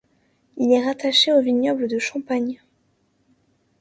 Il est rattaché au vignoble de Champagne.